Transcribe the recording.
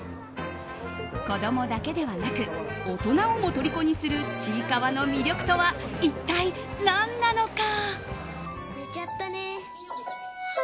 子供だけではなく大人をもとりこにする「ちいかわ」の魅力とは一体何なのか？